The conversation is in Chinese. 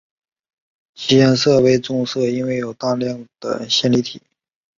其颜色为棕色是因为有大量的线粒体。